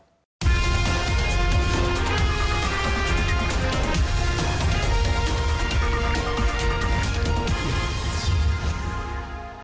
สวัสดีครับ